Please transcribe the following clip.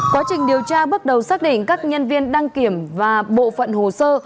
quá trình điều tra bước đầu xác định các nhân viên đăng kiểm và bộ phận hồ sơ